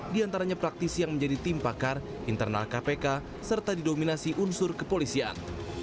di antaranya praktisi yang menjadi tim pakar internal kpk serta didominasi unsur kepolisian